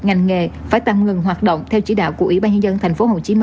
ngành nghề phải tạm ngừng hoạt động theo chỉ đạo của ủy ban nhân dân tp hcm